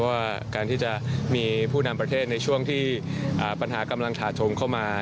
ว่าการที่จะมีผู้นำประเทศในช่วงที่ปัญหากำลังถาโชมเข้ามา